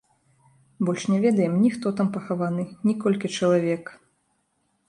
Больш не ведаем ні хто там пахаваны, ні колькі чалавек.